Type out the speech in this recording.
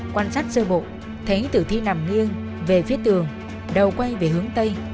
quan sát sơ bộ thấy tử thi nằm nghiêng về phía tường đầu quay về hướng tây